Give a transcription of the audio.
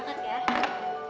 kasih ini buat kamu